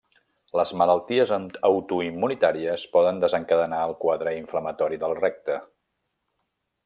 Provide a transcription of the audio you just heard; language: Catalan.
Les malalties autoimmunitàries poden desencadenar el quadre inflamatori del recte.